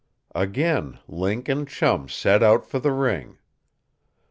Again Link and Chum set out for the ring.